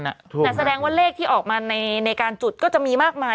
แต่แสดงว่าเลขที่ออกมาในการจุดก็จะมีมากมาย